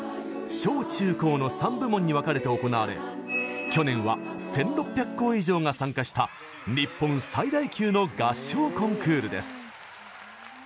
小中高の３部門に分かれて行われ去年は１６００校以上が参加した日本最大級の合唱コンクールです。